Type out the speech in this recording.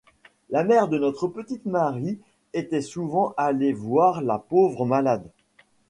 La mère de notre petite Marie était souvent allée voir la pauvre malade.